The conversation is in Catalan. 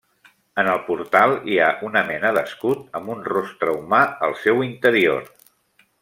En el portal hi ha una mena d'escut amb un rostre humà al seu interior.